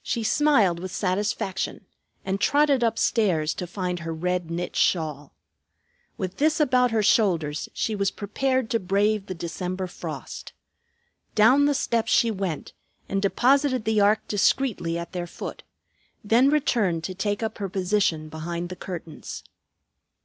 She smiled with satisfaction, and trotted upstairs to find her red knit shawl. With this about her shoulders she was prepared to brave the December frost. Down the steps she went, and deposited the ark discreetly at their foot; then returned to take up her position behind the curtains.